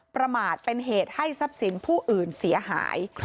ประมาทเป็นเหตุให้ทรัพย์สินผู้อื่นเสียหาย